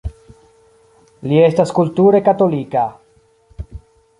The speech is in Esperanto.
Li estas kulture katolika.